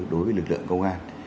đối với lực lượng công an